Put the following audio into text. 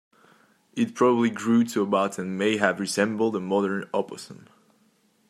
It probably grew to about and may have resembled a modern opossum.